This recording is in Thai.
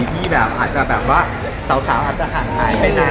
ที่แบบสาวอาจจะชาญไปนาน